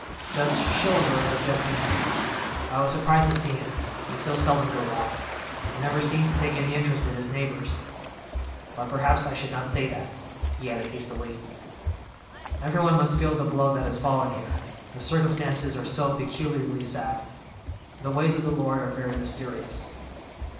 "Judge Shillaber has just been here. I was surprised to see him, he so seldom goes out, and never seemed to take any interest in his neighbors. But perhaps I should not say that," he added hastily. "Everyone must feel the blow that has fallen here; the circumstances are so peculiarly sad. The ways of the Lord are very mysterious."